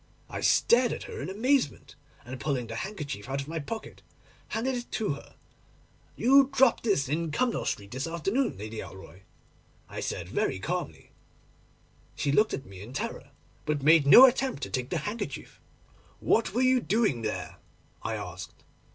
I stared at her in amazement, and pulling the handkerchief out of my pocket, handed it to her. "You dropped this in Cumnor Street this afternoon, Lady Alroy," I said very calmly. She looked at me in terror but made no attempt to take the handkerchief. "What were you doing there?" I asked.